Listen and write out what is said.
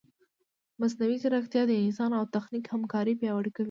مصنوعي ځیرکتیا د انسان او تخنیک همکاري پیاوړې کوي.